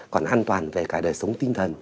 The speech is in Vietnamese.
còn an toàn về cả đời sống tinh thần